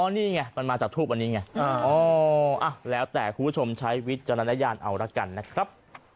นี่ไงมันมาจากทูปอันนี้ไงแล้วแต่คุณผู้ชมใช้วิจารณญาณเอาละกันนะครับ